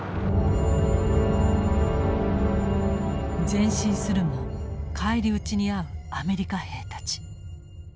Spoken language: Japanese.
前進するも返り討ちに遭うアメリカ兵たち。